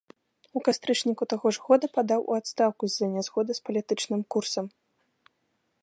У кастрычніку таго ж года падаў у адстаўку з-за нязгоды з палітычным курсам.